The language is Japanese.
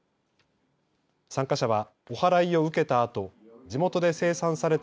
参加者はおはらいを受けたあと地元で生産された繭